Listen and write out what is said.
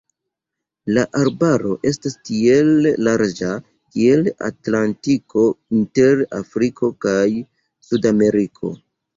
La arbaro esta tiel larĝa kiel Atlantiko inter Afriko kaj Sudameriko.